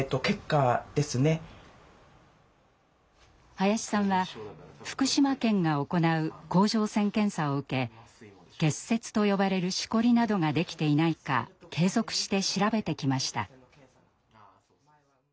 林さんは福島県が行う甲状腺検査を受け結節と呼ばれるしこりなどができていないか継続して調べてきました。